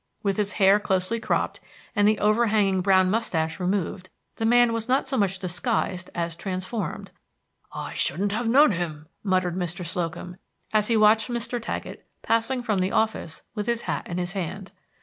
With his hair closely cropped, and the overhanging brown mustache removed, the man was not so much disguised as transformed. "I shouldn't have known him!" muttered Mr. Slocum, as he watched Mr. Taggett passing from the office with his hat in his hand.